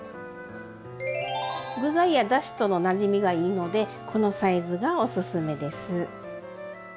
具材やだしとのなじみがいいのでこのサイズがおすすめです。